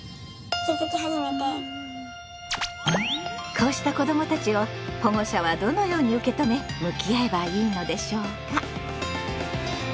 こうした子どもたちを保護者はどのように受け止め向き合えばいいのでしょうか。